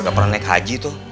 udah pernah naik haji tuh